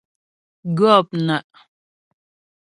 Gɔ̂pnaʼ.